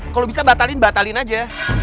kalau bisa batalin batalin aja